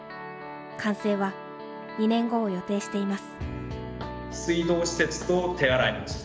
完成は２年後を予定しています。